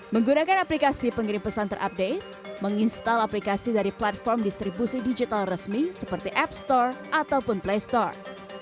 menggunakan aplikasi pengirim pesan terupdate menginstal aplikasi dari platform distribusi digital resmi seperti app store ataupun play store